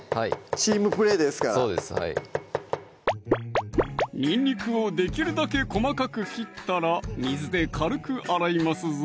チームプレーですからそうですはいにんにくをできるだけ細かく切ったら水で軽く洗いますぞ